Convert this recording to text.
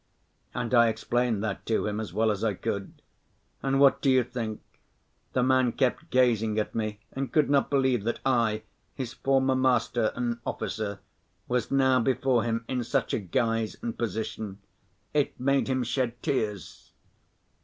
And I explained that to him as well as I could. And what do you think? The man kept gazing at me and could not believe that I, his former master, an officer, was now before him in such a guise and position; it made him shed tears.